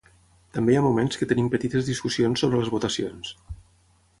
També hi ha moments que tenim petites discussions sobre les votacions.